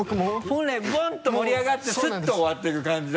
本来ボンッと盛り上がってスッと終わっていく感じ。